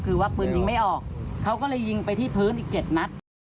คือว่าปืนยิงไม่ออกเขาก็เลยยิงไปที่พื้นอีก๗นัด